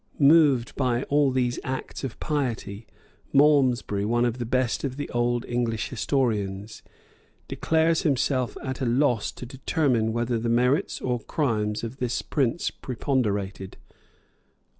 [*] Moved by al these acts of piety, Malmsbury, one of the best of the old English historians, declares himself at a loss to determine[] whether the merits or crimes of this prince preponderated.